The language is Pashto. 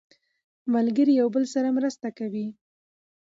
ملګري یو بل سره مرسته کوي